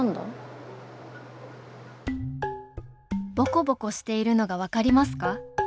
ボコボコしているのが分かりますか？